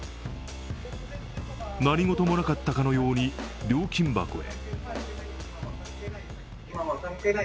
何事もなかったかのように料金箱へ。